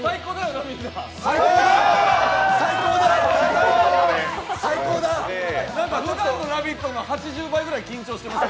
ふだんのの「ラヴィット！」の８０倍ぐらい緊張してますね。